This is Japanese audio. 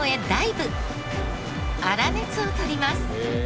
粗熱を取ります。